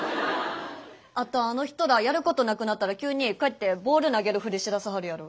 あとあの人らやることなくなったら急にこうやってボール投げるふりしだすはるやろ。